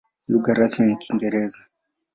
Lugha rasmi ni Kiingereza.